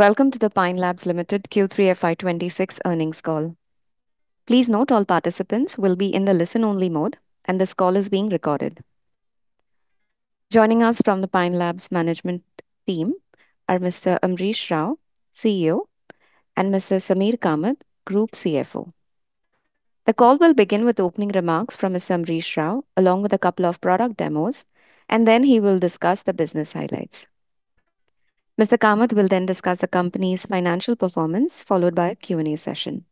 Welcome to the Pine Labs Limited Q3 FY 2026 earnings call. Please note all participants will be in the listen-only mode, and this call is being recorded. Joining us from the Pine Labs management team are Mr. Amrish Rau, CEO, and Mr. Sameer Kamath, Group CFO. The call will begin with opening remarks from Mr. Amrish Rau, along with a couple of product demos, and then he will discuss the business highlights. Mr. Kamath will then discuss the company's financial performance, followed by a Q&A session.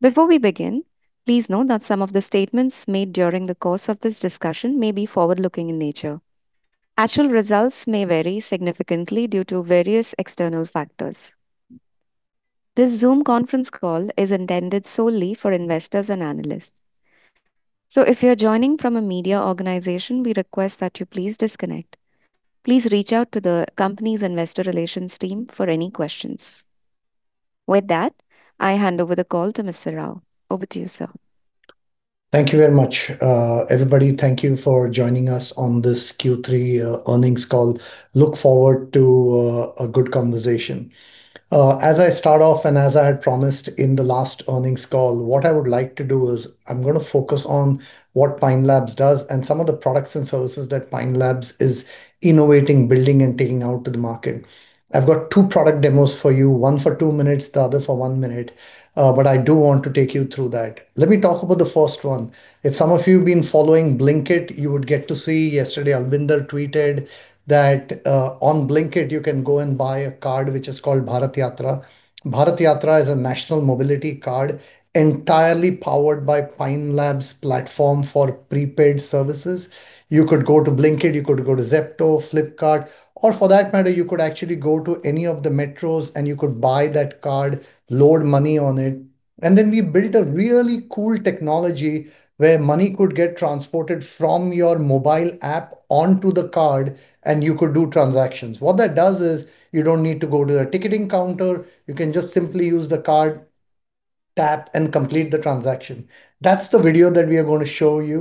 Before we begin, please note that some of the statements made during the course of this discussion may be forward-looking in nature. Actual results may vary significantly due to various external factors. This Zoom conference call is intended solely for investors and analysts. If you're joining from a media organization, we request that you please disconnect. Please reach out to the company's investor relations team for any questions. With that, I hand over the call to Mr. Rau. Over to you, sir. Thank you very much. Everybody, thank you for joining us on this Q3 earnings call. Look forward to a good conversation. As I start off, and as I had promised in the last earnings call, what I would like to do is I'm gonna focus on what Pine Labs does and some of the products and services that Pine Labs is innovating, building, and taking out to the market. I've got two product demos for you, one for two minutes, the other for one minute, but I do want to take you through that. Let me talk about the first one. If some of you have been following Blinkit, you would get to see... Yesterday, Albinder tweeted that on Blinkit you can go and buy a card, which is called Bharat Yatra. Bharat Yatra is a national mobility card entirely powered by Pine Labs platform for prepaid services. You could go to Blinkit, you could go to Zepto, Flipkart, or for that matter, you could actually go to any of the metros, and you could buy that card, load money on it. And then we built a really cool technology where money could get transported from your mobile app onto the card, and you could do transactions. What that does is, you don't need to go to the ticketing counter, you can just simply use the card, tap, and complete the transaction. That's the video that we are going to show you.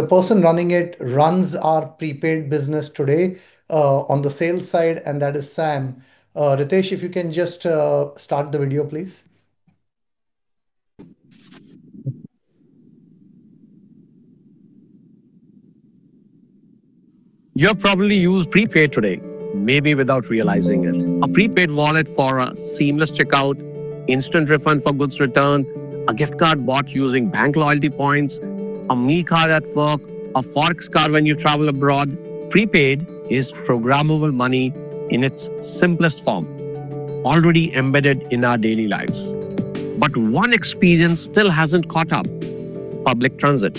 The person running it runs our prepaid business today, on the sales side, and that is Sam. Ritesh, if you can just start the video, please. You have probably used prepaid today, maybe without realizing it. A prepaid wallet for a seamless checkout, instant refund for goods returned, a gift card bought using bank loyalty points, a meal card at work, a Forex card when you travel abroad. Prepaid is programmable money in its simplest form, already embedded in our daily lives. But one experience still hasn't caught up: public transit.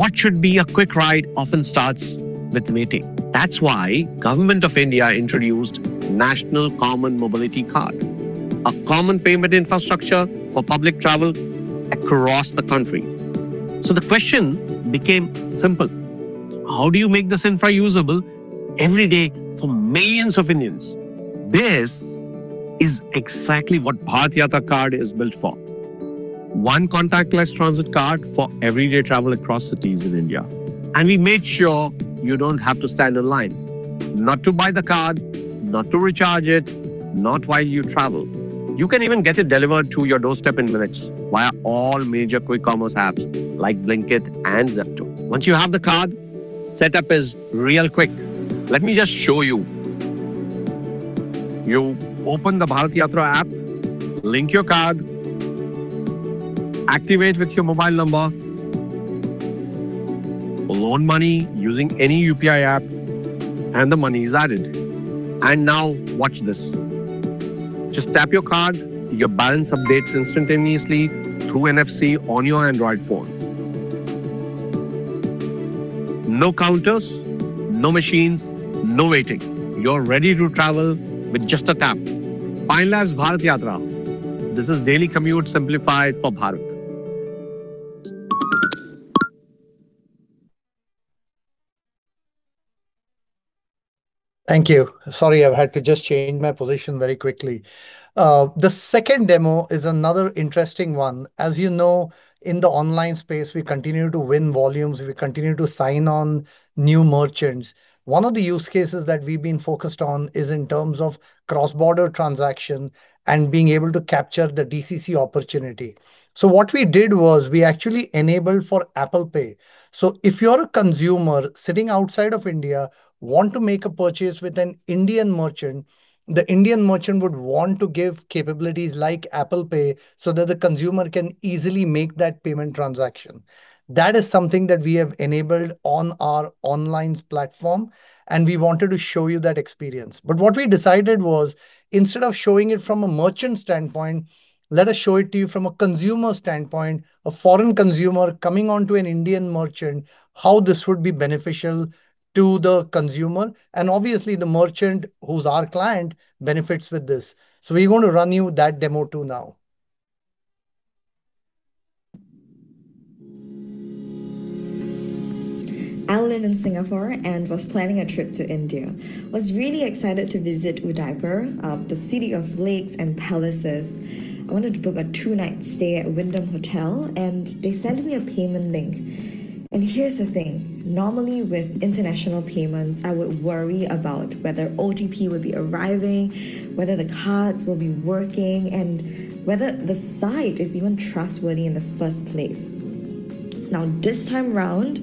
What should be a quick ride often starts with waiting. That's why Government of India introduced National Common Mobility Card, a common payment infrastructure for public travel across the country. So the question became simple: How do you make this infra usable every day for millions of Indians? This is exactly what Bharat Yatra card is built for. One contactless transit card for everyday travel across cities in India. We made sure you don't have to stand in line, not to buy the card, not to recharge it, not while you travel. You can even get it delivered to your doorstep in minutes via all major quick commerce apps like Blinkit and Zepto. Once you have the card, setup is real quick. Let me just show you. You open the Bharat Yatra app, link your card, activate with your mobile number, load money using any UPI app, and the money is added. And now watch this. Just tap your card, your balance updates instantaneously through NFC on your Android phone. No counters, no machines, no waiting. You're ready to travel with just a tap. Pine Labs Bharat Yatra. This is daily commute simplified for Bharat. Thank you. Sorry, I've had to just change my position very quickly. The second demo is another interesting one. As you know, in the online space, we continue to win volumes, we continue to sign on new merchants. One of the use cases that we've been focused on is in terms of cross-border transaction and being able to capture the DCC opportunity. So what we did was we actually enabled for Apple Pay. So if you're a consumer sitting outside of India, want to make a purchase with an Indian merchant, the Indian merchant would want to give capabilities like Apple Pay so that the consumer can easily make that payment transaction. That is something that we have enabled on our online platform, and we wanted to show you that experience. What we decided was, instead of showing it from a merchant standpoint, let us show it to you from a consumer standpoint, a foreign consumer coming onto an Indian merchant, how this would be beneficial to the consumer. Obviously, the merchant, who's our client, benefits with this. We're going to run you that demo, too, now. I live in Singapore and was planning a trip to India. I was really excited to visit Udaipur, the City of Lakes and Palaces. I wanted to book a two-night stay at Wyndham Hotel, and they sent me a payment link. And here's the thing, normally with international payments, I would worry about whether OTP would be arriving, whether the cards will be working, and whether the site is even trustworthy in the first place. Now, this time round,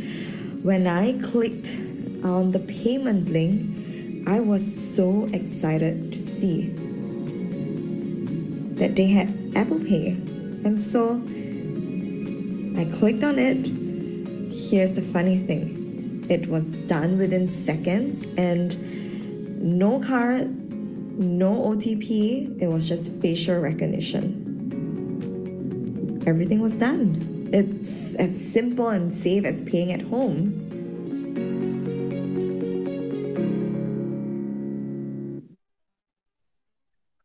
when I clicked on the payment link, I was so excited to see that they had Apple Pay. And so I clicked on it. Here's the funny thing, it was done within seconds, and no card, no OTP. It was just facial recognition. Everything was done. It's as simple and safe as paying at home.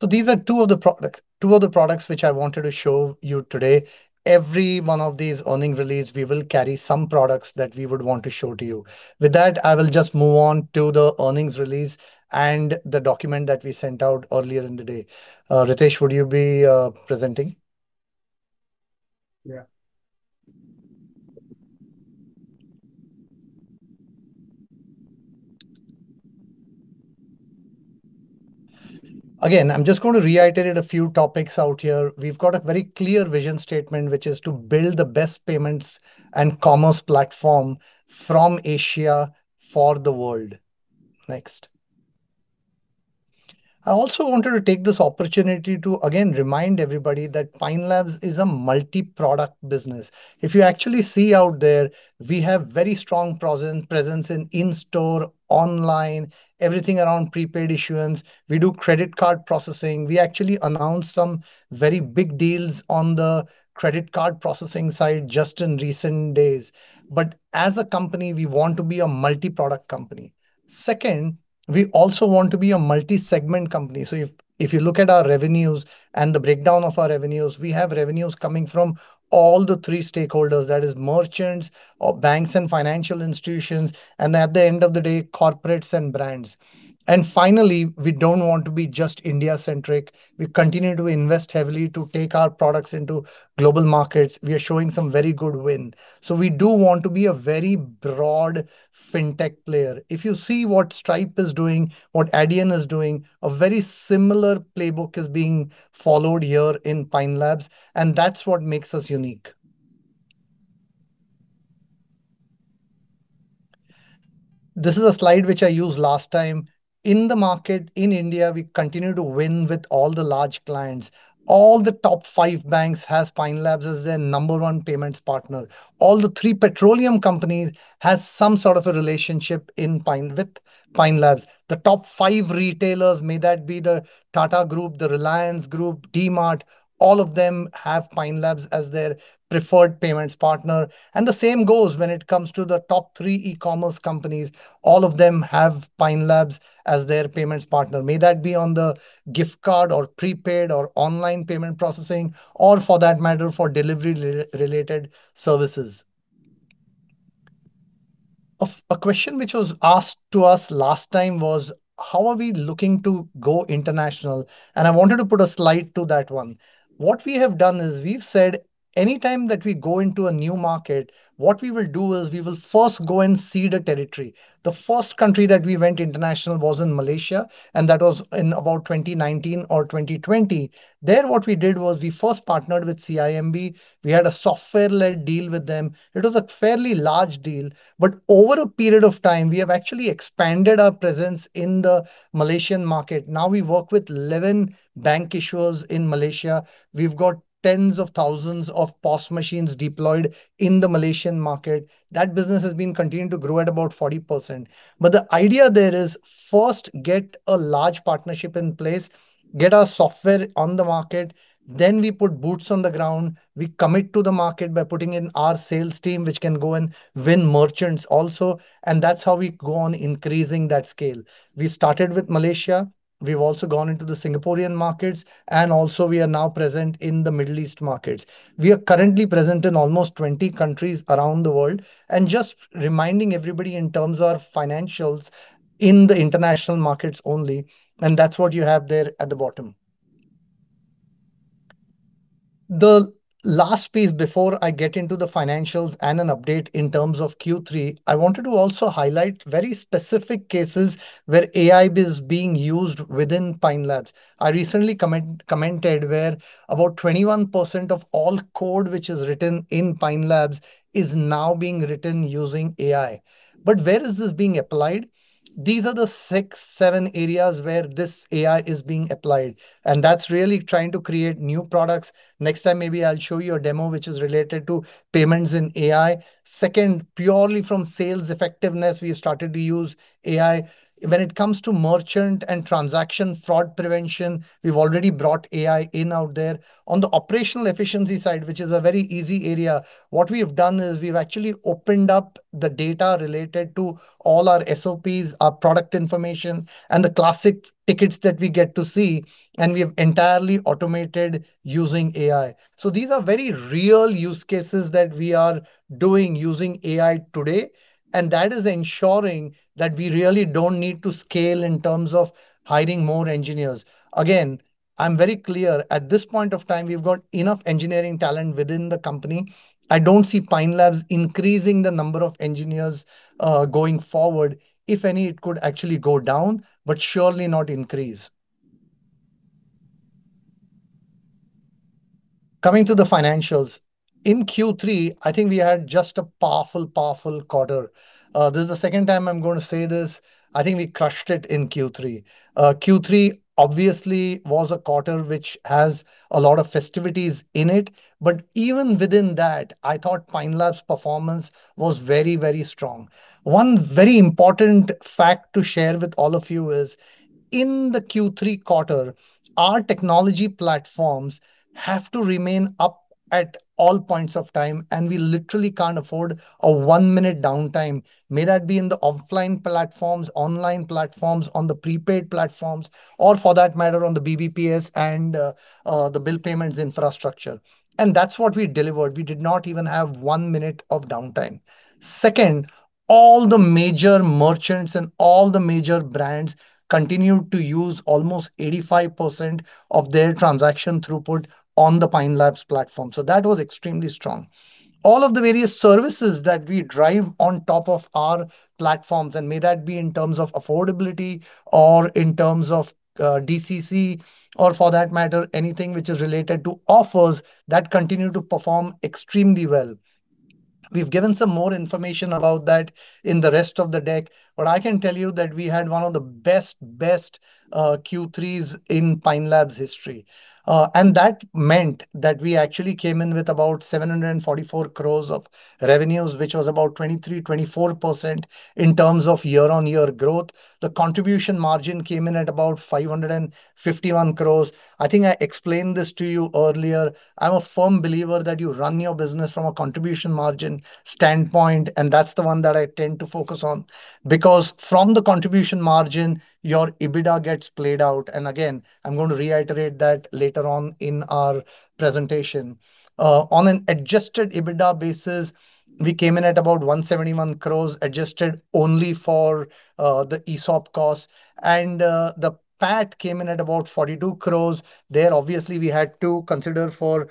So these are two of the products, two of the products which I wanted to show you today. Every one of these earnings release, we will carry some products that we would want to show to you. With that, I will just move on to the earnings release and the document that we sent out earlier in the day. Ritesh, would you be presenting? Yeah. Again, I'm just going to reiterate a few topics out here. We've got a very clear vision statement, which is to build the best payments and commerce platform from Asia for the world. Next. I also wanted to take this opportunity to, again, remind everybody that Pine Labs is a multi-product business. If you actually see out there, we have very strong presence in in-store, online, everything around prepaid issuance. We do credit card processing. We actually announced some very big deals on the credit card processing side just in recent days. But as a company, we want to be a multi-product company. Second, we also want to be a multi-segment company. So if you look at our revenues and the breakdown of our revenues, we have revenues coming from all the three stakeholders. That is, merchants or banks and financial institutions, and at the end of the day, corporates and brands. And finally, we don't want to be just India-centric. We continue to invest heavily to take our products into global markets. We are showing some very good win. So we do want to be a very broad fintech player. If you see what Stripe is doing, what Adyen is doing, a very similar playbook is being followed here in Pine Labs, and that's what makes us unique. This is a slide which I used last time. In the market, in India, we continue to win with all the large clients. All the top five banks has Pine Labs as their number one payments partner. All the three petroleum companies has some sort of a relationship in Pine with Pine Labs. The top five retailers, may that be the Tata Group, the Reliance Group, DMart, all of them have Pine Labs as their preferred payments partner. The same goes when it comes to the top three e-commerce companies. All of them have Pine Labs as their payments partner, may that be on the gift card or prepaid or online payment processing, or for that matter, for delivery-related services. A question which was asked to us last time was, "How are we looking to go international?" I wanted to put a slide to that one. What we have done is we've said, anytime that we go into a new market, what we will do is we will first go and see the territory. The first country that we went international was in Malaysia, and that was in about 2019 or 2020. Then what we did was we first partnered with CIMB. We had a software-led deal with them. It was a fairly large deal, but over a period of time, we have actually expanded our presence in the Malaysian market. Now we work with 11 bank issuers in Malaysia. We've got tens of thousands of POS machines deployed in the Malaysian market. That business has been continuing to grow at about 40%. But the idea there is first, get a large partnership in place, get our software on the market, then we put boots on the ground. We commit to the market by putting in our sales team, which can go and win merchants also, and that's how we go on increasing that scale. We started with Malaysia. We've also gone into the Singaporean markets, and also we are now present in the Middle East markets. We are currently present in almost 20 countries around the world. Just reminding everybody in terms of financials, in the international markets only, and that's what you have there at the bottom. The last piece before I get into the financials and an update in terms of Q3, I wanted to also highlight very specific cases where AI is being used within Pine Labs. I recently commented, where about 21% of all code which is written in Pine Labs is now being written using AI. But where is this being applied? These are the 6, 7 areas where this AI is being applied, and that's really trying to create new products. Next time, maybe I'll show you a demo which is related to payments in AI. Second, purely from sales effectiveness, we have started to use AI. When it comes to merchant and transaction fraud prevention, we've already brought AI in out there. On the operational efficiency side, which is a very easy area, what we have done is we've actually opened up the data related to all our SOPs, our product information, and the classic tickets that we get to see, and we have entirely automated using AI. So these are very real use cases that we are doing using AI today, and that is ensuring that we really don't need to scale in terms of hiring more engineers. Again, I'm very clear, at this point of time, we've got enough engineering talent within the company. I don't see Pine Labs increasing the number of engineers, going forward. If any, it could actually go down, but surely not increase. Coming to the financials, in Q3, I think we had just a powerful, powerful quarter. This is the second time I'm going to say this, I think we crushed it in Q3. Q3 obviously was a quarter which has a lot of festivities in it, but even within that, I thought Pine Labs' performance was very, very strong. One very important fact to share with all of you is, in the Q3 quarter, our technology platforms have to remain up at all points of time, and we literally can't afford a one-minute downtime. May that be in the offline platforms, online platforms, on the prepaid platforms, or for that matter, on the BBPS and, the bill payments infrastructure. That's what we delivered, we did not even have one minute of downtime. Second, all the major merchants and all the major brands continued to use almost 85% of their transaction throughput on the Pine Labs platform, so that was extremely strong. All of the various services that we drive on top of our platforms, and may that be in terms of affordability or in terms of, DCC, or for that matter, anything which is related to offers, that continue to perform extremely well. We've given some more information about that in the rest of the deck, but I can tell you that we had one of the best, best, Q3s in Pine Labs' history. And that meant that we actually came in with about 744 crore of revenues, which was about 23%-24% in terms of year-on-year growth. The contribution margin came in at about 551 crore. I think I explained this to you earlier, I'm a firm believer that you run your business from a contribution margin standpoint, and that's the one that I tend to focus on. Because from the contribution margin, your EBITDA gets played out, and again, I'm going to reiterate that later on in our presentation. On an adjusted EBITDA basis, we came in at about 171 crore, adjusted only for the ESOP costs. The PAT came in at about 42 crore. There, obviously, we had to consider for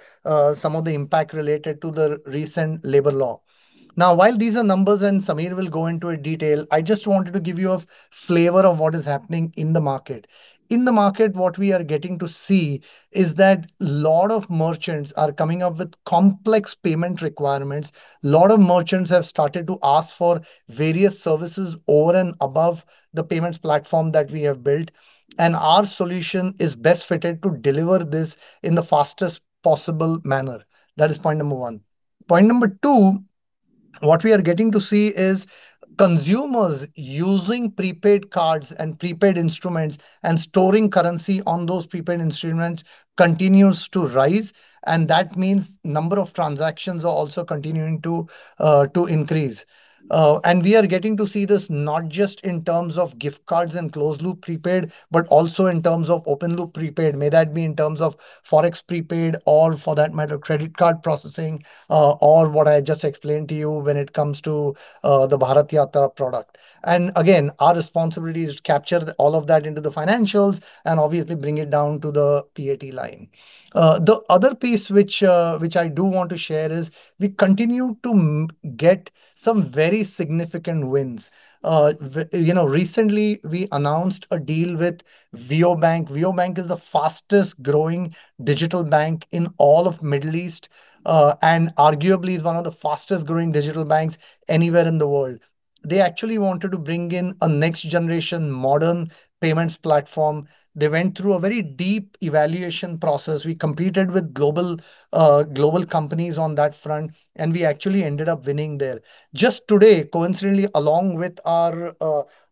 some of the impact related to the recent labor law. Now, while these are numbers, and Sameer will go into a detail, I just wanted to give you a flavor of what is happening in the market. In the market, what we are getting to see is that a lot of merchants are coming up with complex payment requirements. A lot of merchants have started to ask for various services over and above the payments platform that we have built, and our solution is best fitted to deliver this in the fastest possible manner. That is point number one. Point number two, what we are getting to see is consumers using prepaid cards and prepaid instruments, and storing currency on those prepaid instruments continues to rise, and that means number of transactions are also continuing to increase. And we are getting to see this not just in terms of gift cards and closed-loop prepaid, but also in terms of open-loop prepaid. Be that in terms of forex prepaid, or for that matter, credit card processing, or what I just explained to you when it comes to the Bharat Yatra product. And again, our responsibility is to capture all of that into the financials, and obviously bring it down to the PAT line. The other piece which, which I do want to share is, we continue to get some very significant wins. You know, recently, we announced a deal with Wio Bank. Wio Bank is the fastest growing digital bank in all of Middle East, and arguably is one of the fastest growing digital banks anywhere in the world. They actually wanted to bring in a next-generation modern payments platform. They went through a very deep evaluation process. We competed with global, global companies on that front, and we actually ended up winning there. Just today, coincidentally, along with our,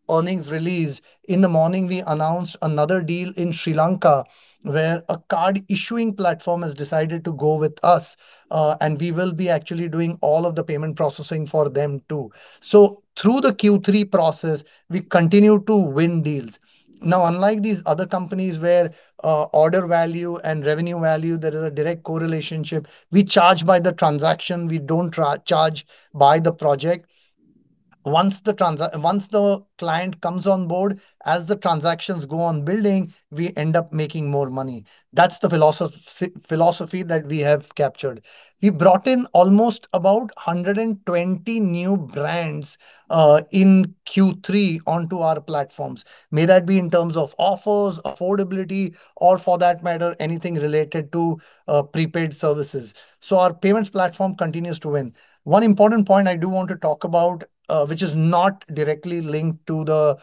earnings release, in the morning, we announced another deal in Sri Lanka, where a card-issuing platform has decided to go with us, and we will be actually doing all of the payment processing for them, too. So through the Q3 process, we continue to win deals. Now, unlike these other companies where, order value and revenue value, there is a direct co-relationship, we charge by the transaction, we don't charge by the project. Once the client comes on board, as the transactions go on building, we end up making more money. That's the philosophy that we have captured. We brought in almost about 120 new brands in Q3 onto our platforms, may that be in terms of offers, affordability, or for that matter, anything related to prepaid services. So our payments platform continues to win. One important point I do want to talk about, which is not directly linked to the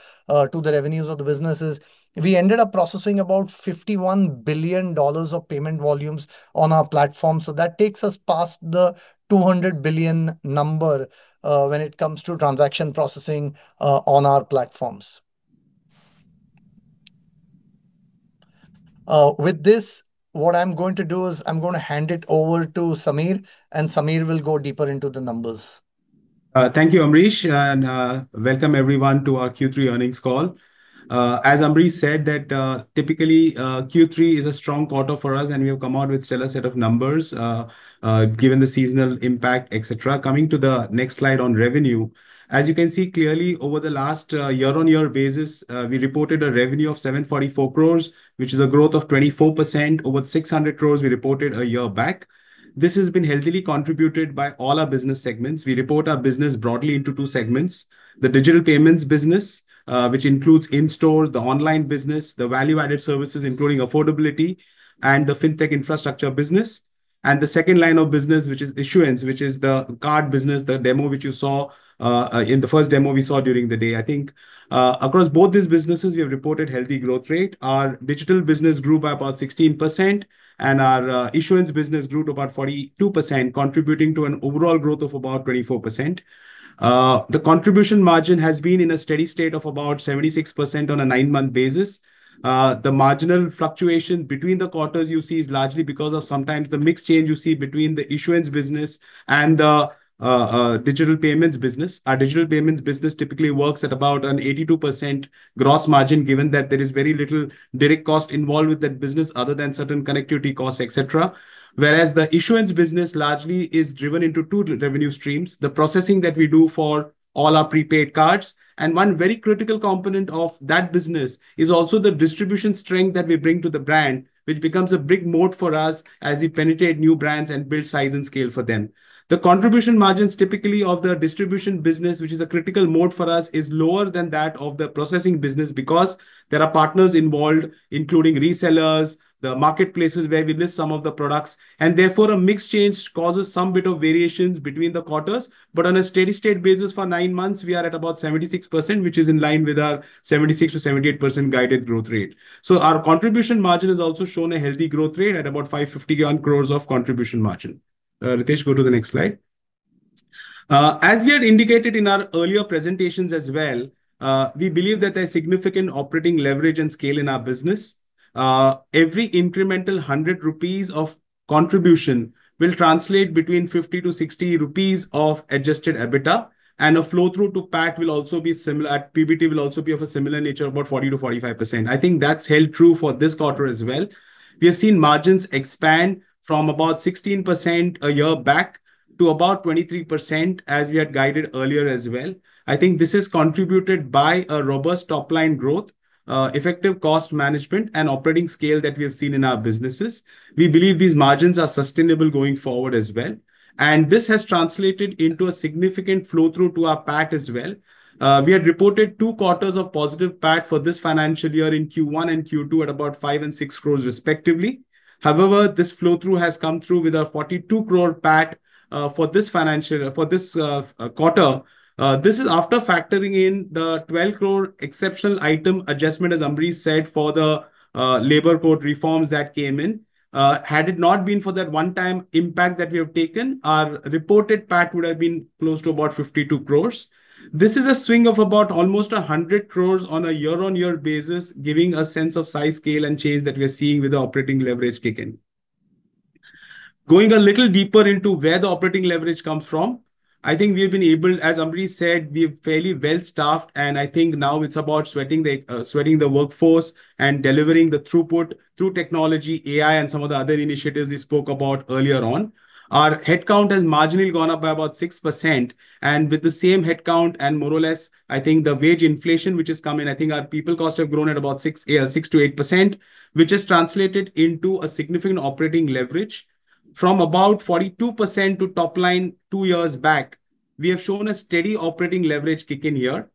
revenues of the business is, we ended up processing about $51 billion of payment volumes on our platform. So that takes us past the $200 billion number when it comes to transaction processing on our platforms. With this, what I'm going to do is I'm going to hand it over to Sameer, and Sameer will go deeper into the numbers. Thank you, Amrish, and welcome everyone to our Q3 earnings call. As Amrish said, that typically Q3 is a strong quarter for us, and we have come out with a stellar set of numbers, given the seasonal impact, et cetera. Coming to the next slide on revenue, as you can see clearly, over the last year-on-year basis, we reported a revenue of 744 crore, which is a growth of 24%, over 600 crore we reported a year back. This has been healthily contributed by all our business segments. We report our business broadly into two segments: the digital payments business, which includes in-store, the online business, the value-added services, including affordability and the fintech infrastructure business. The second line of business, which is issuance, which is the card business, the demo which you saw in the first demo we saw during the day, I think. Across both these businesses, we have reported healthy growth rate. Our digital business grew by about 16%, and our issuance business grew to about 42%, contributing to an overall growth of about 24%. The contribution margin has been in a steady state of about 76% on a nine-month basis. The marginal fluctuation between the quarters you see is largely because of sometimes the mix change you see between the issuance business and the digital payments business. Our digital payments business typically works at about an 82% gross margin, given that there is very little direct cost involved with that business other than certain connectivity costs, et cetera. Whereas the issuance business largely is driven into two revenue streams, the processing that we do for all our prepaid cards, and one very critical component of that business is also the distribution strength that we bring to the brand, which becomes a big moat for us as we penetrate new brands and build size and scale for them. The contribution margins, typically, of the distribution business, which is a critical moat for us, is lower than that of the processing business because there are partners involved, including resellers, the marketplaces where we list some of the products, and therefore, a mix change causes some bit of variations between the quarters. But on a steady state basis, for nine months, we are at about 76%, which is in line with our 76%-78% guided growth rate. So our contribution margin has also shown a healthy growth rate at about 550 billion of contribution margin. Ritesh, go to the next slide. As we had indicated in our earlier presentations as well, we believe that there's significant operating leverage and scale in our business. Every incremental 100 rupees of contribution will translate between 50-60 rupees of adjusted EBITDA, and a flow-through to PAT will also be similar. PBT will also be of a similar nature, about 40%-45%. I think that's held true for this quarter as well. We have seen margins expand from about 16% a year back to about 23%, as we had guided earlier as well. I think this is contributed by a robust top line growth, effective cost management, and operating scale that we have seen in our businesses. We believe these margins are sustainable going forward as well, and this has translated into a significant flow-through to our PAT as well. We had reported 2 quarters of positive PAT for this financial year in Q1 and Q2, at about 5 and 6 crores respectively. However, this flow-through has come through with a 42 crore PAT for this quarter. This is after factoring in the 12 crore exceptional item adjustment, as Amrish said, for the labor code reforms that came in. Had it not been for that one-time impact that we have taken, our reported PAT would have been close to about 52 crores. This is a swing of about almost 100 crores on a year-on-year basis, giving a sense of size, scale, and change that we are seeing with the operating leverage kicking. Going a little deeper into where the operating leverage comes from, I think we've been able, as Amrish said, we're fairly well-staffed, and I think now it's about sweating the, sweating the workforce and delivering the throughput through technology, AI, and some of the other initiatives we spoke about earlier on. Our headcount has marginally gone up by about 6%, and with the same headcount and more or less, I think the wage inflation which has come in, I think our people costs have grown at about 6 to 8%, which has translated into a significant operating leverage. From about 42% to top line two years back, we have shown a steady operating leverage kick in here.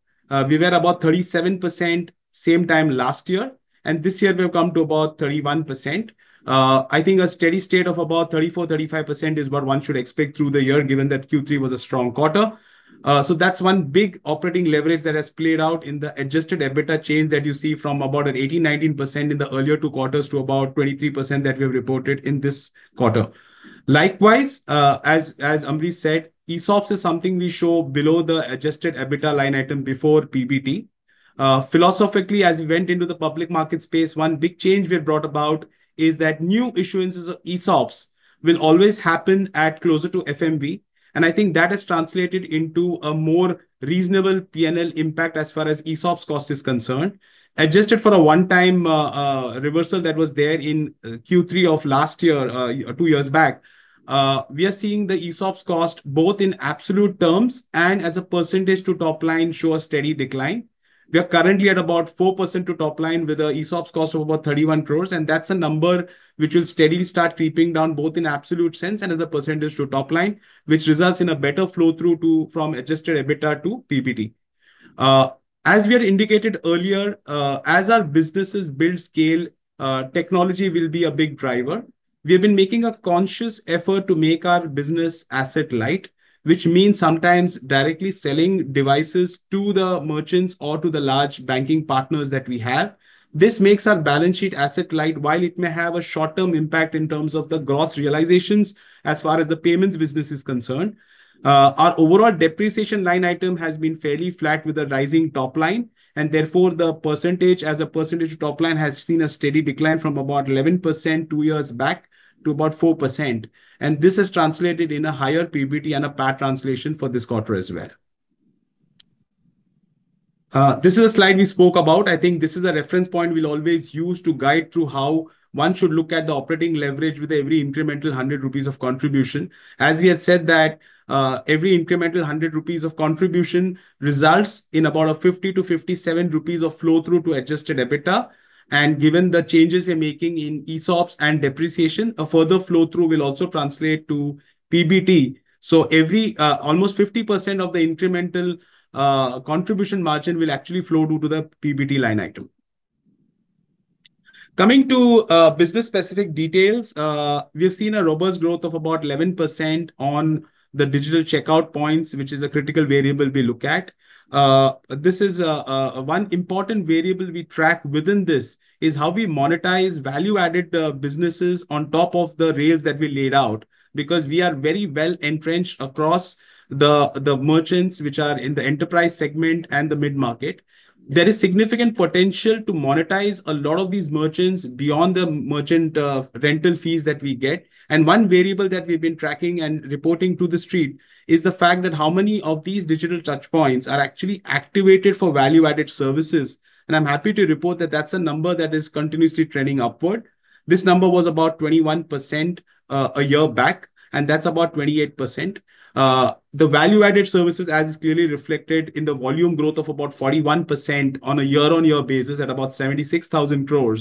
We were about 37% same time last year, and this year, we have come to about 31%. I think a steady state of about 34%-35% is what one should expect through the year, given that Q3 was a strong quarter. So that's one big operating leverage that has played out in the adjusted EBITDA change that you see from about an 18%-19% in the earlier two quarters to about 23% that we have reported in this quarter. Likewise, as, as Amrish said, ESOPs is something we show below the adjusted EBITDA line item before PBT. Philosophically, as we went into the public market space, one big change we have brought about is that new issuances of ESOPs will always happen at closer to FMV, and I think that has translated into a more reasonable P&L impact as far as ESOPs cost is concerned. Adjusted for a one-time reversal that was there in Q3 of last year, or two years back, we are seeing the ESOPs cost, both in absolute terms and as a percentage to top line, show a steady decline. We are currently at about 4% to top line, with an ESOPs cost of about 31 crore, and that's a number which will steadily start creeping down, both in absolute sense and as a percentage to top line, which results in a better flow-through to—from adjusted EBITDA to PBT. As we had indicated earlier, as our businesses build scale, technology will be a big driver. We have been making a conscious effort to make our business asset light, which means sometimes directly selling devices to the merchants or to the large banking partners that we have. This makes our balance sheet asset light. While it may have a short-term impact in terms of the gross realizations, as far as the payments business is concerned, our overall depreciation line item has been fairly flat, with a rising top line, and therefore, the percentage, as a percentage of top line, has seen a steady decline from about 11% two years back to about 4%, and this has translated in a higher PBT and a PAT translation for this quarter as well. This is a slide we spoke about. I think this is a reference point we'll always use to guide through how one should look at the operating leverage with every incremental 100 rupees of contribution. As we had said that, every incremental 100 rupees of contribution results in about 50-57 rupees of flow-through to adjusted EBITDA. And given the changes we're making in ESOPs and depreciation, a further flow-through will also translate to PBT. So every, almost 50% of the incremental, contribution margin will actually flow through to the PBT line item. Coming to, business-specific details, we have seen a robust growth of about 11% on the digital checkout points, which is a critical variable we look at. This is, one important variable we track within this, is how we monetize value-added, businesses on top of the rails that we laid out, because we are very well entrenched across the merchants, which are in the enterprise segment and the mid-market. There is significant potential to monetize a lot of these merchants beyond the merchant rental fees that we get. One variable that we've been tracking and reporting to the street is the fact that how many of these digital touchpoints are actually activated for value-added services, and I'm happy to report that that's a number that is continuously trending upward. This number was about 21%, a year back, and that's about 28%. The value-added services, as is clearly reflected in the volume growth of about 41% on a year-on-year basis at about 76,000 crore,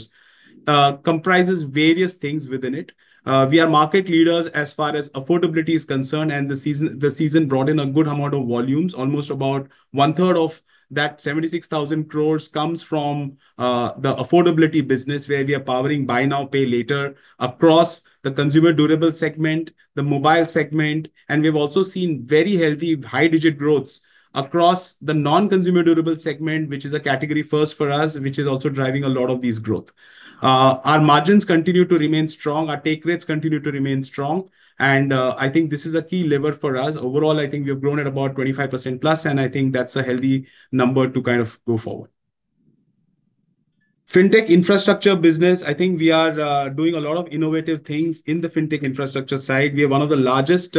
comprises various things within it. We are market leaders as far as affordability is concerned, and the season, the season brought in a good amount of volumes. Almost about one-third of that 76,000 crore comes from the affordability business, where we are powering buy now, pay later across the consumer durable segment, the mobile segment. We've also seen very healthy high-digit growths across the non-consumer durable segment, which is a category first for us, which is also driving a lot of this growth. Our margins continue to remain strong, our take rates continue to remain strong, and I think this is a key lever for us. Overall, I think we've grown at about 25% plus, and I think that's a healthy number to kind of go forward. Fintech infrastructure business, I think we are doing a lot of innovative things in the fintech infrastructure side. We are one of the largest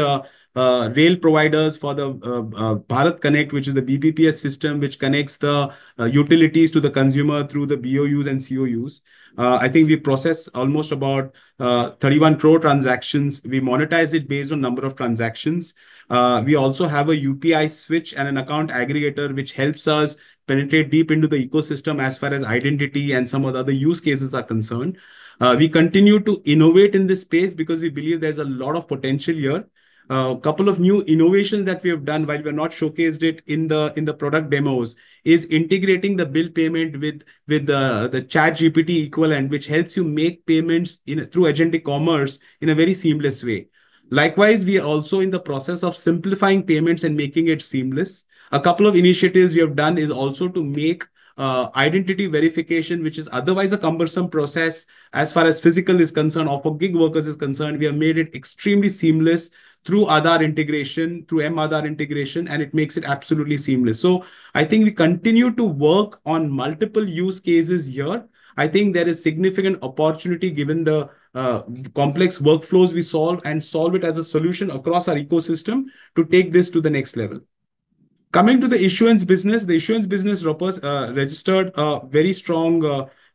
rail providers for the Bharat Connect, which is the BBPS system, which connects the utilities to the consumer through the BOUs and COUs. I think we process almost about 31 crore transactions. We monetize it based on number of transactions. We also have a UPI switch and an Account Aggregator, which helps us penetrate deep into the ecosystem as far as identity and some of the other use cases are concerned. We continue to innovate in this space because we believe there's a lot of potential here. A couple of new innovations that we have done, while we have not showcased it in the product demos, is integrating the bill payment with the ChatGPT equivalent, which helps you make payments in through agentic e-commerce in a very seamless way. Likewise, we are also in the process of simplifying payments and making it seamless. A couple of initiatives we have done is also to make identity verification, which is otherwise a cumbersome process, as far as physical is concerned or for gig workers is concerned. We have made it extremely seamless through Aadhaar integration, through mAadhaar integration, and it makes it absolutely seamless. So I think we continue to work on multiple use cases here. I think there is significant opportunity, given the complex workflows we solve, and solve it as a solution across our ecosystem to take this to the next level. Coming to the issuance business. The issuance business wrappers registered a very strong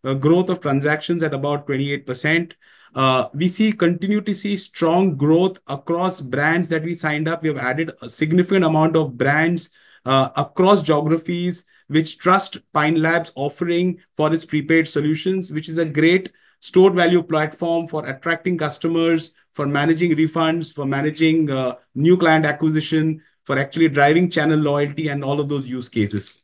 growth of transactions at about 28%. We continue to see strong growth across brands that we signed up. We have added a significant amount of brands across geographies, which trust Pine Labs' offering for its prepaid solutions, which is a great stored value platform for attracting customers, for managing refunds, for managing new client acquisition, for actually driving channel loyalty, and all of those use cases.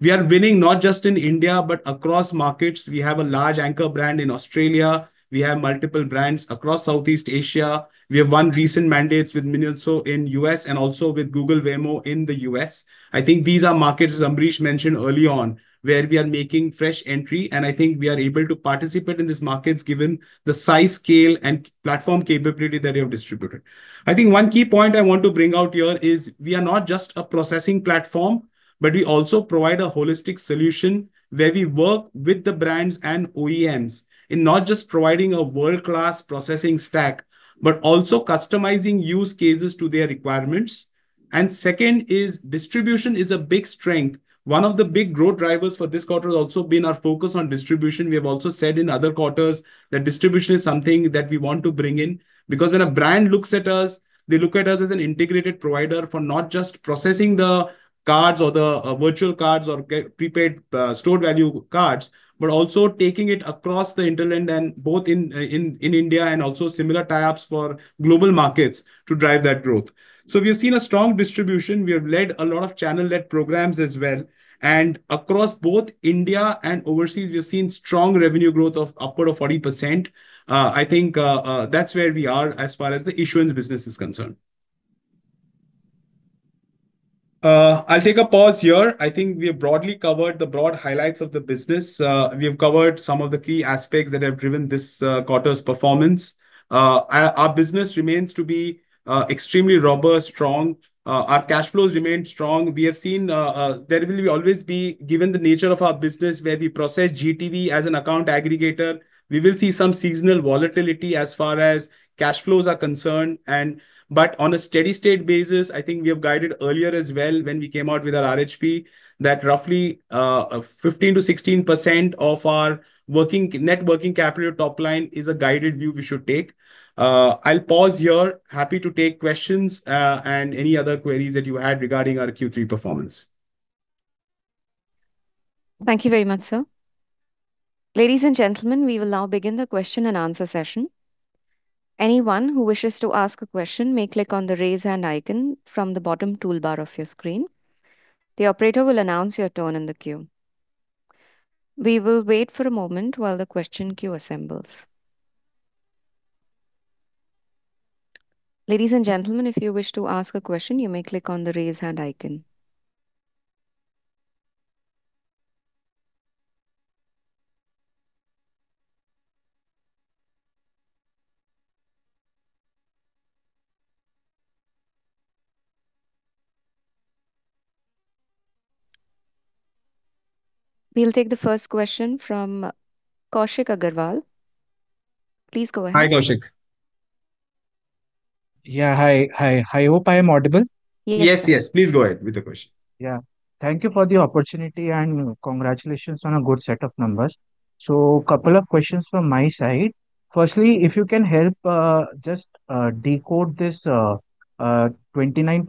We are winning not just in India, but across markets. We have a large anchor brand in Australia. We have multiple brands across Southeast Asia. We have won recent mandates with Miniso in US and also with Google Waymo in the US. I think these are markets, as Amrish mentioned early on, where we are making fresh entry, and I think we are able to participate in these markets, given the size, scale, and platform capability that we have distributed. I think one key point I want to bring out here is we are not just a processing platform, but we also provide a holistic solution where we work with the brands and OEMs in not just providing a world-class processing stack, but also customizing use cases to their requirements. And second is, distribution is a big strength. One of the big growth drivers for this quarter has also been our focus on distribution. We have also said in other quarters that distribution is something that we want to bring in. Because when a brand looks at us, they look at us as an integrated provider for not just processing the cards or the virtual cards or pre-paid stored-value cards, but also taking it across the hinterland and both in India, and also similar tie-ups for global markets to drive that growth. So we have seen a strong distribution. We have led a lot of channel-led programs as well. And across both India and overseas, we have seen strong revenue growth of upward of 40%. I think that's where we are as far as the issuance business is concerned. I'll take a pause here. I think we have broadly covered the broad highlights of the business. We have covered some of the key aspects that have driven this quarter's performance. Our business remains to be extremely robust, strong. Our cash flows remain strong. We have seen there will always be, given the nature of our business, where we process GTV as an account aggregator, we will see some seasonal volatility as far as cash flows are concerned. But on a steady state basis, I think we have guided earlier as well, when we came out with our RHP, that roughly 15%-16% of our working net working capital top line is a guided view we should take. I'll pause here. Happy to take questions and any other queries that you had regarding our Q3 performance. Thank you very much, sir. Ladies and gentlemen, we will now begin the question and answer session. Anyone who wishes to ask a question may click on the Raise Hand icon from the bottom toolbar of your screen. The operator will announce your turn in the queue. We will wait for a moment while the question queue assembles. Ladies and gentlemen, if you wish to ask a question, you may click on the Raise Hand icon. We'll take the first question from Kaushik Agarwal. Please go ahead. Hi, Kaushik. Yeah. Hi. Hi. I hope I am audible. Yes. Yes, yes, please go ahead with the question. Yeah. Thank you for the opportunity, and congratulations on a good set of numbers. So couple of questions from my side. Firstly, if you can help, just, decode this 29%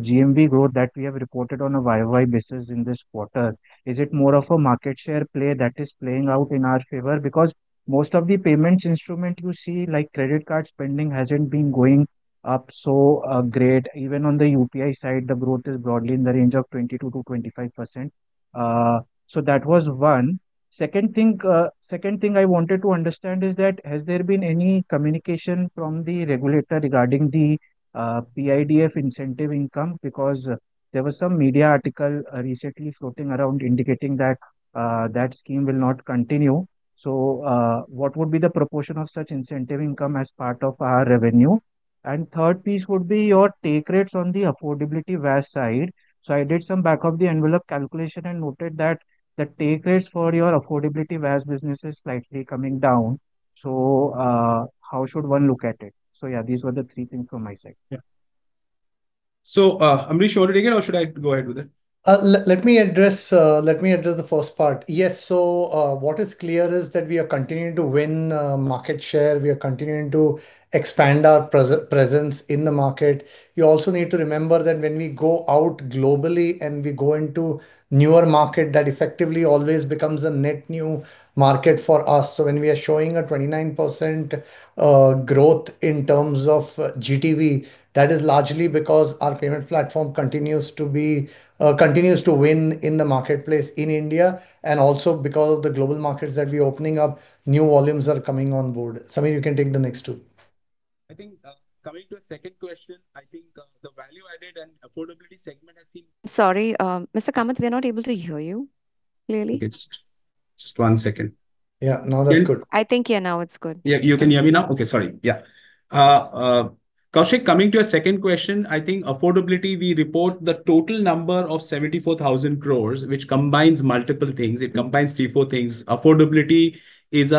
GMV growth that we have reported on a YOY basis in this quarter. Is it more of a market share play that is playing out in our favor? Because most of the payments instrument you see, like credit card spending, hasn't been going up so, great. Even on the UPI side, the growth is broadly in the range of 22%-25%. So that was one. Second thing, second thing I wanted to understand is that has there been any communication from the regulator regarding the PIDF incentive income? Because there was some media article, recently floating around indicating that, that scheme will not continue. So, what would be the proportion of such incentive income as part of our revenue? And third piece would be your take rates on the affordability VAS side. So I did some back of the envelope calculation and noted that the take rates for your affordability VAS business is slightly coming down. So, how should one look at it? So, yeah, these were the three things from my side. Yeah. So, Amrish, you want it again, or should I go ahead with it? Let me address the first part. Yes, so, what is clear is that we are continuing to win market share. We are continuing to expand our presence in the market. You also need to remember that when we go out globally, and we go into newer market, that effectively always becomes a net new market for us. So when we are showing a 29% growth in terms of GTV, that is largely because our payment platform continues to be... continues to win in the marketplace in India, and also because of the global markets that we're opening up, new volumes are coming on board. Sameer, you can take the next two. I think, coming to the second question, I think, the value added and affordability segment has seen- Sorry, Mr. Kamath, we're not able to hear you clearly. Okay, just, just one second. Yeah, now that's good. I think, yeah, now it's good. Yeah, you can hear me now? Okay, sorry. Yeah. Kaushik, coming to your second question, I think affordability, we report the total number of 74,000 crore, which combines multiple things. It combines three, four things. Affordability is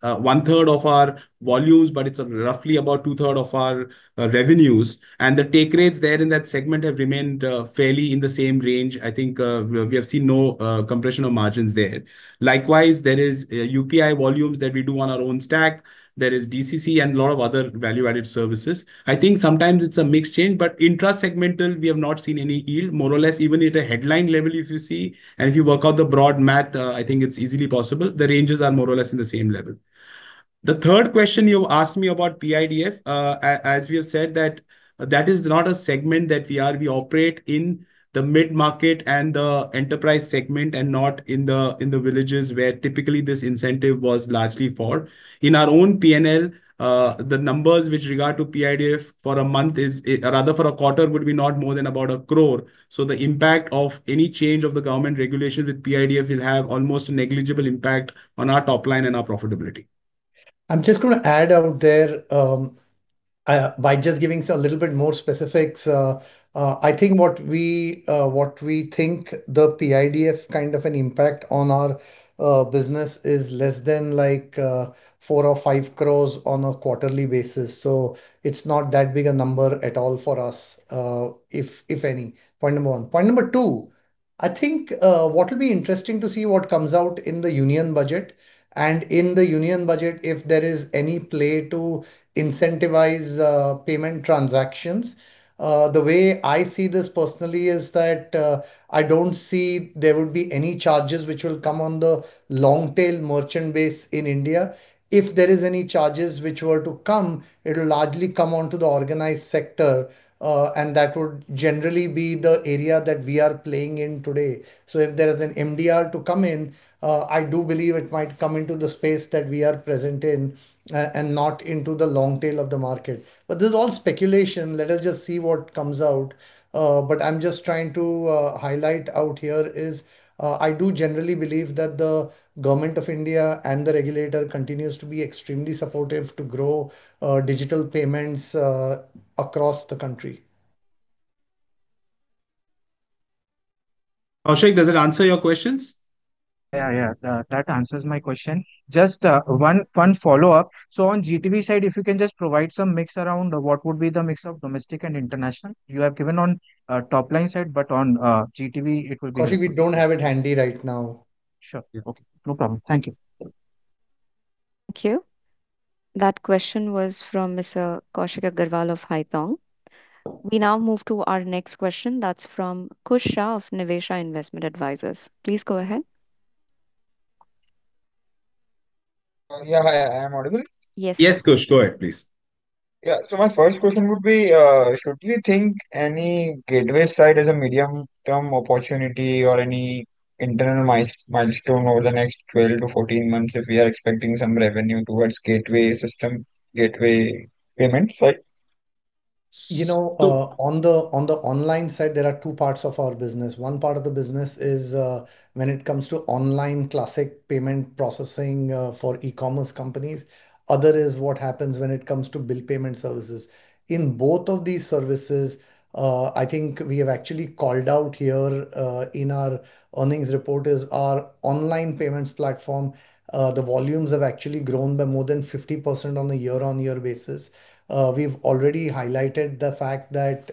one third of our volumes, but it's roughly about two third of our revenues, and the take rates there in that segment have remained fairly in the same range. I think we have seen no compression of margins there. Likewise, there is UPI volumes that we do on our own stack. There is DCC and a lot of other value-added services. I think sometimes it's a mixed chain, but intra-segmental, we have not seen any yield, more or less even at a headline level, if you see, and if you work out the broad math, I think it's easily possible. The ranges are more or less in the same level. The third question, you asked me about PIDF. As we have said, that that is not a segment that we are... We operate in the mid-market and the enterprise segment, and not in the, in the villages, where typically this incentive was largely for. In our own P&L, the numbers with regard to PIDF for a month is, rather for a quarter, would be not more than about 1 crore. So the impact of any change of the government regulation with PIDF will have almost a negligible impact on our top line and our profitability. I'm just gonna add out there, by just giving a little bit more specifics. I think what we, what we think the PIDF kind of an impact on our business is less than, like, 4-5 crore on a quarterly basis. So it's not that big a number at all for us, if any. Point number one. Point number two, I think what will be interesting to see what comes out in the Union Budget, and in the Union Budget, if there is any play to incentivize payment transactions. The way I see this personally is that I don't see there would be any charges which will come on the long tail merchant base in India. If there is any charges which were to come, it'll largely come onto the organized sector, and that would generally be the area that we are playing in today. So if there is an MDR to come in, I do believe it might come into the space that we are present in, and not into the long tail of the market. But this is all speculation. Let us just see what comes out. But I'm just trying to highlight, I do generally believe that the Government of India and the regulator continues to be extremely supportive to grow digital payments across the country. Kaushik, does it answer your questions? Yeah, yeah, that, that answers my question. Just, one, one follow-up. So on GTV side, if you can just provide some mix around what would be the mix of domestic and international. You have given on, top-line side, but on, GTV, it will be- Kaushik, we don't have it handy right now. Sure. Yeah. Okay. No problem. Thank you. Thank you. That question was from Mr. Kaushik Agarwal of Haitong. We now move to our next question. That's from Khush Shah of Niveshaay Investment Advisors. Please go ahead. Yeah, hi, I am audible? Yes. Yes, Khush, go ahead, please. Yeah. So my first question would be, should we think any gateway side as a medium-term opportunity or any internal milestone over the next 12-14 months if we are expecting some revenue towards gateway system, gateway payment side? You know, on the online side, there are two parts of our business. One part of the business is, when it comes to online classic payment processing, for e-commerce companies. Other is what happens when it comes to bill payment services. In both of these services, I think we have actually called out here, in our earnings report, is our online payments platform, the volumes have actually grown by more than 50% on a year-on-year basis. We've already highlighted the fact that,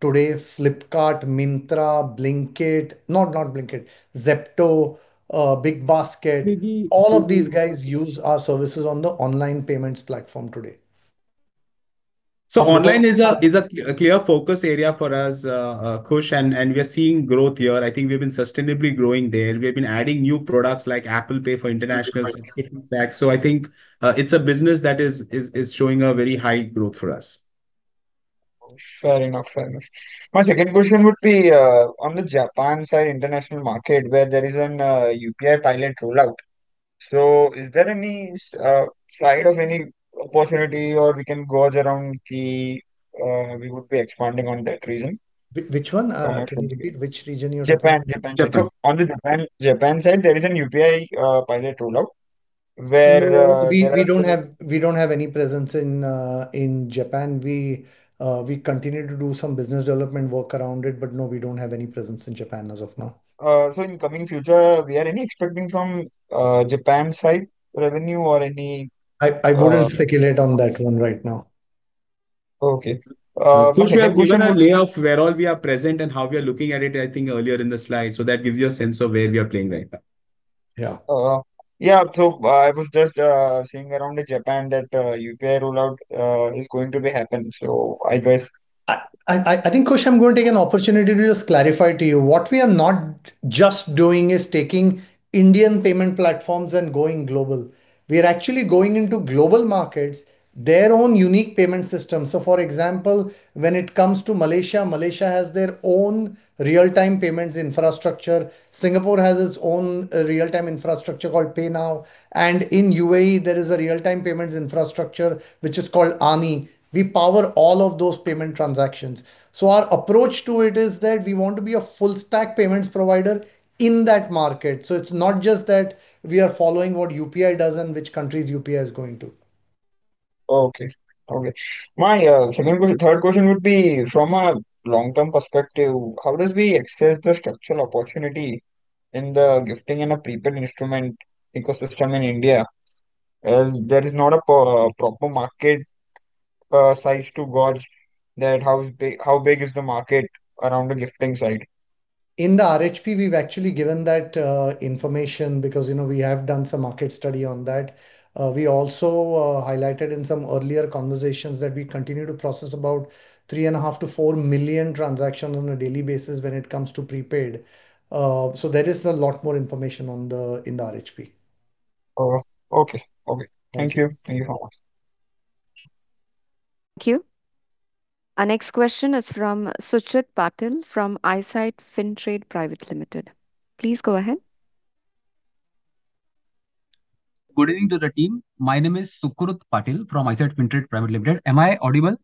today, Flipkart, Myntra, Blinkit... Not, not Blinkit, Zepto, BigBasket- Maybe- - All of these guys use our services on the online payments platform today. So online is a clear focus area for us, Khush, and we are seeing growth here. I think we've been sustainably growing there. We've been adding new products like Apple Pay for international back. So I think, it's a business that is showing a very high growth for us. Fair enough. Fair enough. My second question would be, on the Japan side, international market, where there is an UPI pilot rollout. So is there any side of any opportunity or we can gauge around key, we would be expanding on that region? Which one? Can you repeat which region you're talking about? Japan, Japan. So on the Japan, Japan side, there is an UPI pilot rollout where- No, we, we don't have, we don't have any presence in, in Japan. We, we continue to do some business development work around it, but no, we don't have any presence in Japan as of now. So in coming future, we are any expecting from, Japan side revenue or any? I wouldn't speculate on that one right now. Okay. Uh, Khush, we have given a lay of where all we are present and how we are looking at it, I think earlier in the slide, so that gives you a sense of where we are playing right now. Yeah. Yeah. So I was just seeing around the Japan that UPI rollout is going to be happen. So I guess- I think, Khush, I'm going to take an opportunity to just clarify to you. What we are not just doing is taking Indian payment platforms and going global. We are actually going into global markets, their own unique payment system. So for example, when it comes to Malaysia, Malaysia has their own real-time payments infrastructure. Singapore has its own, real-time infrastructure called PayNow, and in UAE, there is a real-time payments infrastructure which is called Aani. We power all of those payment transactions. So our approach to it is that we want to be a full stack payments provider in that market. So it's not just that we are following what UPI does and which countries UPI is going to. Okay. Okay. My second question, third question would be, from a long-term perspective, how does we assess the structural opportunity in the gifting and a prepaid instrument ecosystem in India, as there is not a proper market size to gauge that, how big is the market around the gifting side? In the RHP, we've actually given that information because, you know, we have done some market study on that. We also highlighted in some earlier conversations that we continue to process about 3.5-4 million transactions on a daily basis when it comes to prepaid. So there is a lot more information on the in the RHP. Okay. Okay. Thank you. Thank you very much. Thank you. Our next question is from Sucrit Patil from Eyesight Fintrade Private Limited. Please go ahead. Good evening to the team. My name is Sucrit Patil from Eyesight Fintrade Private Limited. Am I audible?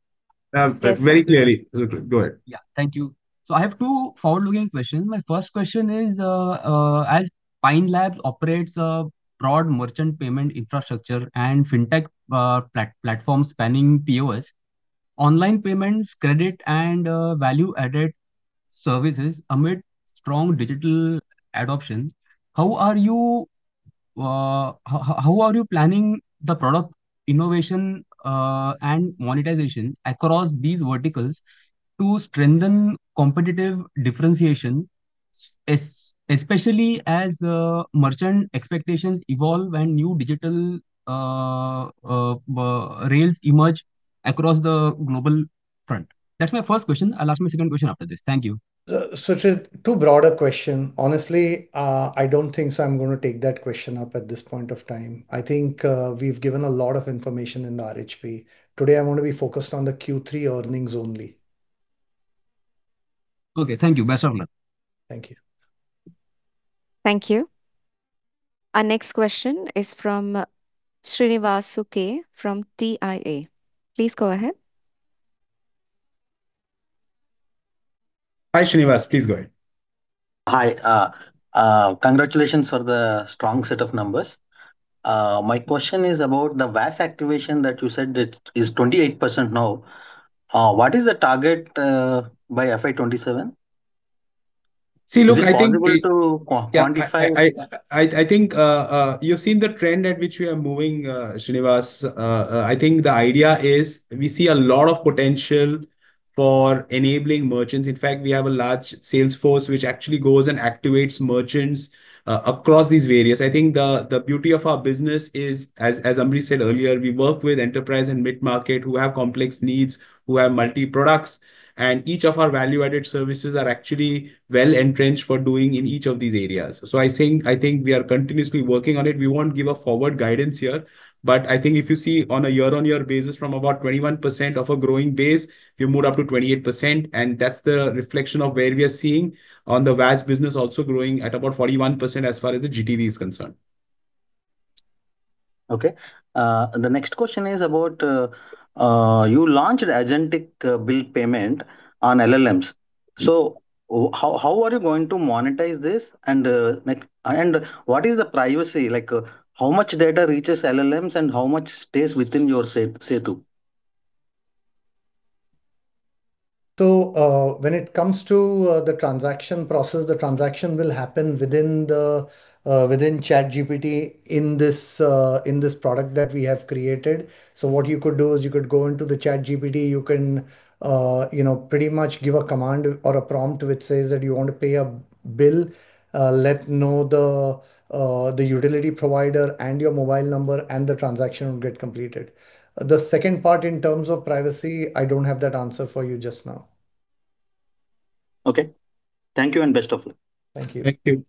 Very clearly, Sucrit. Go ahead. Yeah. Thank you. So I have two forward-looking questions. My first question is, as Pine Labs operates a broad merchant payment infrastructure and fintech platform spanning POS, online payments, credit, and value-added services amid strong digital adoption, how are you planning the product innovation and monetization across these verticals to strengthen competitive differentiation, especially as merchant expectations evolve and new digital rails emerge across the global front? That's my first question. I'll ask my second question after this. Thank you. Sucrit, too broad a question. Honestly, I don't think so. I'm gonna take that question up at this point of time. I think, we've given a lot of information in the RHP. Today, I want to be focused on the Q3 earnings only. Okay, thank you. Best of luck. Thank you. Thank you. Our next question is from Srinivas Sukhi from TIA. Please go ahead. Hi, Srinivas, please go ahead. Hi. Congratulations for the strong set of numbers. My question is about the VAS activation that you said it is 28% now. What is the target by FY27? See, look, I think- Is it possible to quantify? I think you've seen the trend at which we are moving, Srinivas. I think the idea is we see a lot of potential for enabling merchants. In fact, we have a large sales force, which actually goes and activates merchants across these areas. I think the beauty of our business is, as Amrish said earlier, we work with enterprise and mid-market who have complex needs, who have multi-products, and each of our value-added services are actually well-entrenched for doing in each of these areas. So I think we are continuously working on it. We won't give a forward guidance here, but I think if you see on a year-on-year basis, from about 21% of a growing base, we've moved up to 28%, and that's the reflection of where we are seeing on the VAS business also growing at about 41% as far as the GTV is concerned. Okay. The next question is about you launched agentic bill payment on LLMs. So how are you going to monetize this? And, like, and what is the privacy like? How much data reaches LLMs, and how much stays within your safe setup? So, when it comes to, the transaction process, the transaction will happen within the, within ChatGPT in this, in this product that we have created. So what you could do is you could go into the ChatGPT, you can, you know, pretty much give a command or a prompt which says that you want to pay a bill. Let know the, the utility provider and your mobile number, and the transaction will get completed. The second part, in terms of privacy, I don't have that answer for you just now. Okay. Thank you and best of luck. Thank you. Thank you.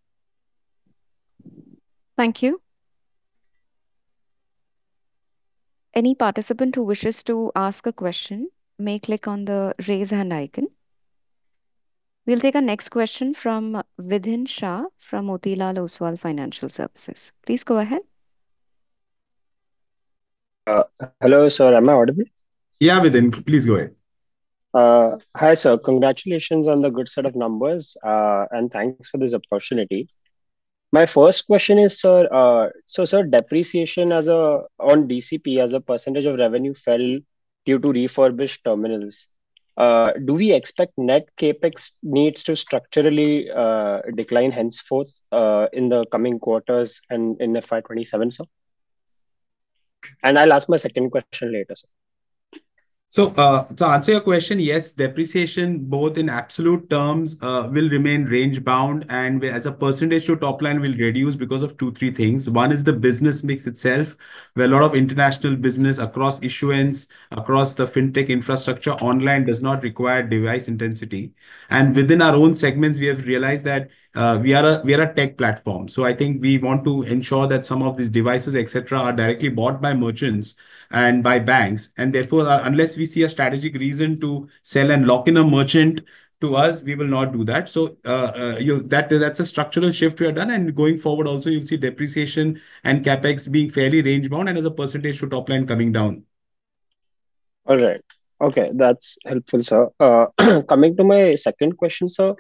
Thank you. Any participant who wishes to ask a question may click on the Raise Hand icon. We'll take our next question from Vidhin Shah from Motilal Oswal Financial Services. Please go ahead. Hello, sir. Am I audible? Yeah, Vidhin, please go ahead. Hi, sir. Congratulations on the good set of numbers, and thanks for this opportunity. My first question is, sir, so, sir, depreciation on DCP as a percentage of revenue fell due to refurbished terminals. Do we expect net CapEx needs to structurally decline henceforth in the coming quarters and in FY 2027, sir? And I'll ask my second question later, sir. So, to answer your question, yes, depreciation, both in absolute terms, will remain range-bound, and as a percentage to top line will reduce because of two, three things. One is the business mix itself, where a lot of international business across issuance, across the fintech infrastructure, online does not require device intensity. And within our own segments, we have realized that, we are a tech platform. So I think we want to ensure that some of these devices, et cetera, are directly bought by merchants and by banks, and therefore, unless we see a strategic reason to sell and lock in a merchant to us, we will not do that. That's a structural shift we have done, and going forward also, you'll see depreciation and CapEx being fairly range-bound and as a percentage to top line coming down. All right. Okay, that's helpful, sir. Coming to my second question, sir.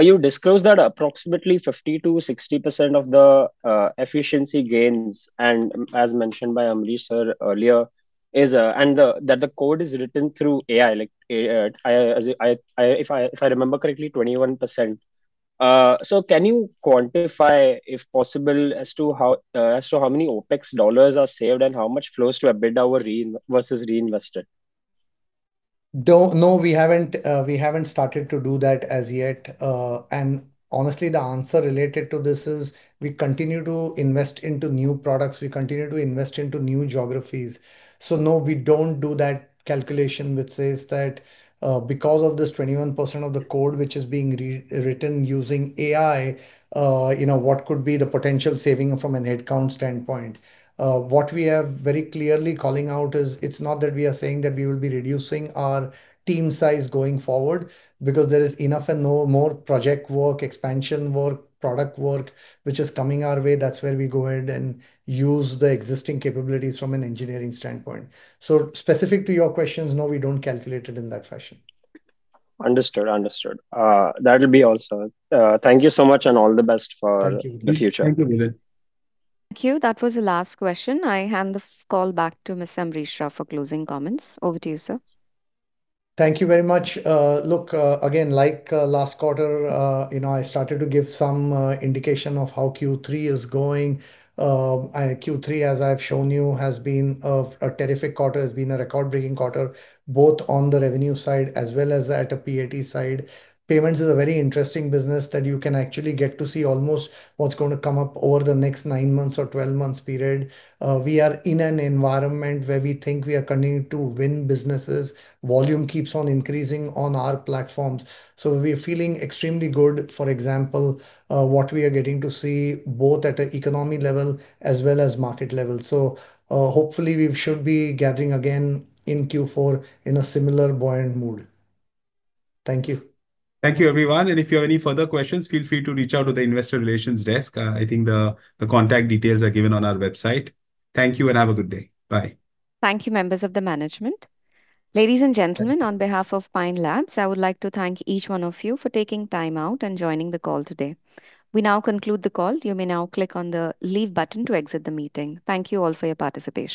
You disclosed that approximately 50%-60% of the efficiency gains, and as mentioned by Amrish, sir, earlier, is that the code is written through AI. Like, if I remember correctly, 21%. So can you quantify, if possible, as to how many OpEx dollars are saved and how much flows to EBITDA versus reinvested? No, we haven't started to do that as yet. Honestly, the answer related to this is we continue to invest into new products. We continue to invest into new geographies. So no, we don't do that calculation, which says that, because of this 21% of the code which is being re-written using AI, you know, what could be the potential saving from a headcount standpoint? What we are very clearly calling out is, it's not that we are saying that we will be reducing our team size going forward, because there is enough and no more project work, expansion work, product work, which is coming our way. That's where we go ahead and use the existing capabilities from an engineering standpoint. So specific to your questions, no, we don't calculate it in that fashion. Understood. Understood. That'll be all, sir. Thank you so much, and all the best for- Thank you... the future. Thank you, Vidhin. Thank you. That was the last question. I hand the call back to Mr. Amrish Rau for closing comments. Over to you, sir. Thank you very much. Look, again, like, last quarter, you know, I started to give some indication of how Q3 is going. Q3, as I've shown you, has been a terrific quarter, has been a record-breaking quarter, both on the revenue side as well as at a PAT side. Payments is a very interesting business that you can actually get to see almost what's going to come up over the next 9 months or 12 months period. We are in an environment where we think we are continuing to win businesses. Volume keeps on increasing on our platforms. So we're feeling extremely good, for example, what we are getting to see both at the economy level as well as market level. So, hopefully, we should be gathering again in Q4 in a similar buoyant mood. Thank you. Thank you, everyone, and if you have any further questions, feel free to reach out to the investor relations desk. I think the contact details are given on our website. Thank you, and have a good day. Bye. Thank you, members of the management. Ladies and gentlemen, on behalf of Pine Labs, I would like to thank each one of you for taking time out and joining the call today. We now conclude the call. You may now click on the Leave button to exit the meeting. Thank you all for your participation.